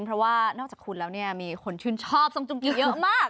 เพราะว่านอกจากคุณแล้วเนี่ยมีคนชื่นชอบทรงจุงกิเยอะมาก